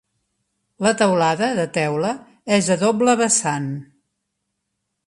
La teulada, de teula, és de doble vessant.